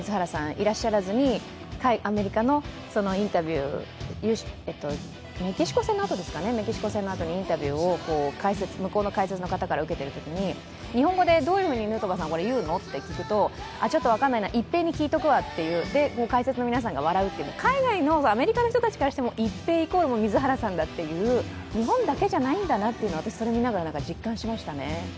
いらっしゃらずにアメリカのインタビュー、メキシコ戦のあとにインタビューを向こうの解説の方から聞かれたときに日本語でどういうふうにヌートバーさん、これどう言うのと聞くとちょっとわかんないな、一平に聞いておくわと、海外、アメリカの人たちからしても一平イコール水原さんだという、日本だけじゃないんだなとそれを見ながら実感しましたね。